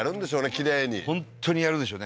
きれいに本当にやるでしょうね